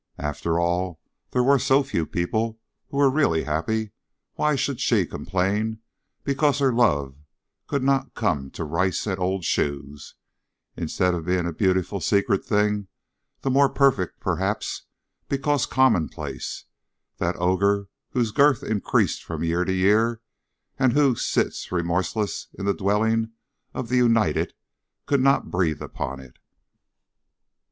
After all, there were so few people who were really happy, why should she complain because her love could not come to rice and old shoes, instead of being a beautiful secret thing, the more perfect, perhaps, because Commonplace, that ogre whose girth increases from year to year, and who sits remorseless in the dwellings of the united, could not breathe upon it?